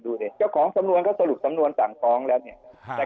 ดิเจ้าของสำนวนเขาสรุปสำนวนสั่งฟ้องแล้วเนี่ย